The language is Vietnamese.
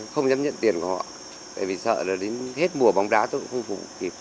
không dám nhận tiền của họ sợ là đến hết mùa bóng đá tôi cũng không phục vụ kịp